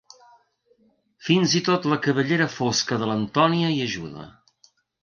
Fins i tot la cabellera fosca de l'Antonia hi ajuda.